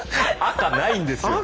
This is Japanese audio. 赤ないんですよ。